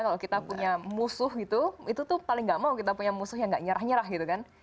kalau kita punya musuh gitu itu tuh paling gak mau kita punya musuh yang gak nyerah nyerah gitu kan